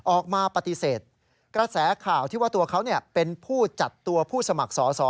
ออกมาปฏิเสธกระแสข่าวที่ว่าตัวเขาเป็นผู้จัดตัวผู้สมัครสอสอ